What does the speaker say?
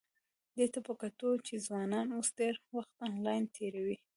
دې ته په کتو چې ځوانان اوس ډېر وخت انلاین تېروي،